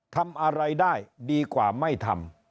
ทำอะไรได้ดีกว่าไม่ทำ